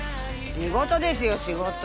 仕事ですよ仕事。